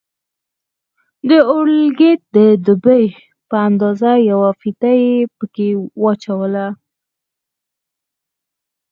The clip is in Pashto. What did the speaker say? د اورلګيت د دبي په اندازه يوه فيته يې پکښې واچوله.